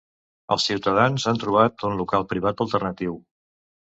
Els ciutadans han trobat un local privat alternatiu.